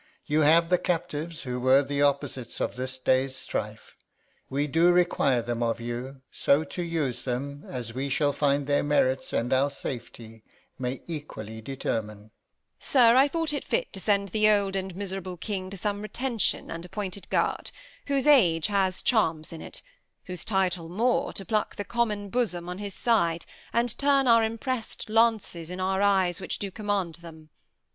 You have the captives Who were the opposites of this day's strife. We do require them of you, so to use them As we shall find their merits and our safety May equally determine. Edm. Sir, I thought it fit To send the old and miserable King To some retention and appointed guard; Whose age has charms in it, whose title more, To pluck the common bosom on his side And turn our impress'd lances in our eyes Which do command them.